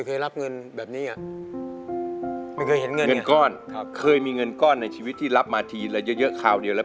ฝันอีกครึ่งต้องพึ่งเธอ